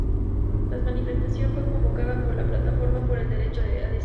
La manifestación fue convocada por la Plataforma por el Derecho a Decidir.